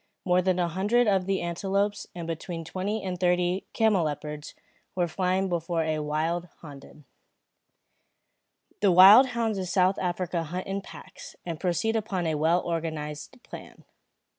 More than a hundred of the antelopes, and between twenty and thirty camelopards were flying before a few wilde honden. The wild hounds of South Africa hunt in packs, and proceed upon a well organised plan.